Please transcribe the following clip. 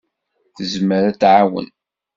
Tezmer ad d-tɛawen.